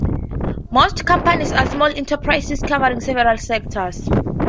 Most companies are small enterprises, covering several sectors.